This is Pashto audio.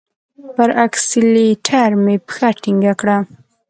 پر اکسلېټر مي پښه ټینګه کړه !